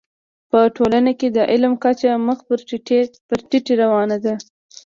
په ټولنه کي د علم کچه مخ پر ټيټه روانه ده.